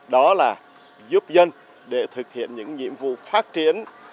đó là giúp dân để thực hiện những nhiệm vụ phát triển